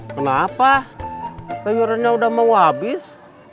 kenapa rayurannya udah mau habis